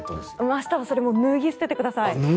明日はそれを脱ぎ捨ててください。